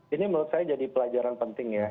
ini menurut saya jadi pelajaran penting ya